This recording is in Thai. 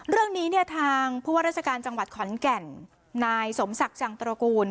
เรื่องนี้เนี่ยทางผู้ว่าราชการจังหวัดขอนแก่นนายสมศักดิ์จังตระกูล